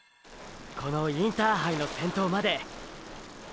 このインターハイの先頭まで！！